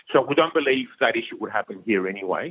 komunikasi dan ketua media australia yang mengatakan telekomunikasi